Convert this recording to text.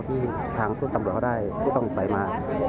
ที่ทางผู้ตำรวจเขาได้ที่ต้องใส่มา